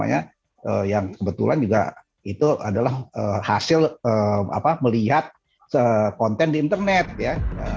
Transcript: yang kebetulan juga itu adalah hasil melihat konten di internet ya